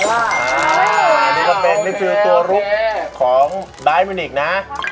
อ่านี่ก็เป็นมิคลีตัวลุคของไดมินิกซ์นะ